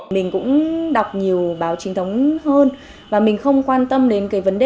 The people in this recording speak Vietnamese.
mình cũng đọc nhiều báo trinh thống hơn và mình không quan tâm đến cái vấn đề